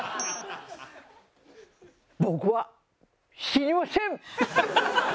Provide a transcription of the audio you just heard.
僕は死にましぇん！